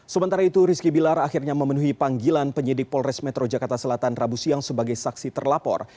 sementara itu rizky bilar akhirnya memenuhi panggilan penyidik polres metro jakarta selatan rabu siang sebagai saksi terlapor